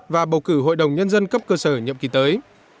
và bầu cử hội đồng nhân dân cấp cơ sở nhậm kỳ tới